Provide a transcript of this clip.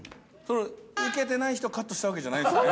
ウケてない人カットしたわけじゃないですよね。